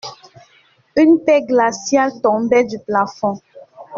Une paix glaciale tombait du plafond.